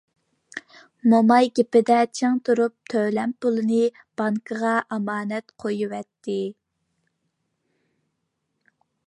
موماي گېپىدە چىڭ تۇرۇپ تۆلەم پۇلىنى بانكىغا ئامانەت قويۇۋەتتى.